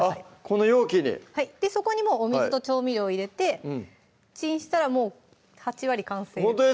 この容器にはいそこにお水と調味料入れてチンしたらもう８割完成です